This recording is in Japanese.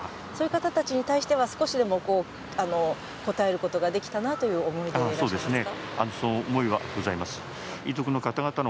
そういう方たちに対しては少しでも応えることができたなという思いですか？